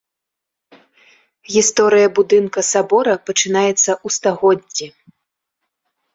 Гісторыя будынка сабора пачынаецца ў стагоддзі.